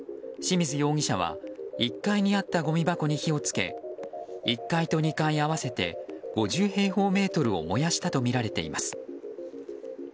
清水容疑者は１階にあったごみ箱に火を付け１階と２階合わせて５０平方メートルを燃やしたとみられています。